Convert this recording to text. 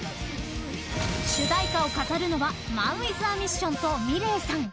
主題歌を飾るのはＭＡＮＷＩＴＨＡＭＩＳＳＩＯＮとｍｉｌｅｔさん。